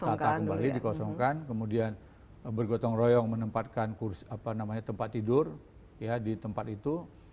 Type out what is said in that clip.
tata kembali dikosongkan kemudian bergotong royong menempatkan tempat tidur di tempat itu